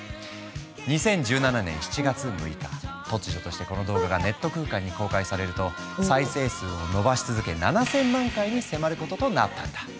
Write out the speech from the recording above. ２０１７年７月６日突如としてこの動画がネット空間に公開されると再生数を伸ばし続け７，０００万回に迫ることとなったんだ。